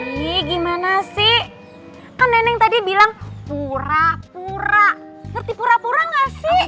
ini gimana sih kan neneng tadi bilang murah pura ngerti pura pura gak sih